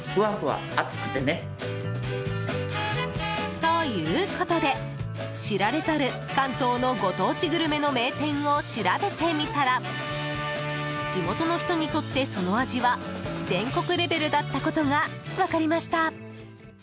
ということで、知られざる関東のご当地グルメの名店を調べてみたら地元の人にとって、その味は全国レベルだったことが分かりました。